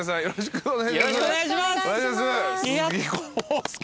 よろしくお願いします。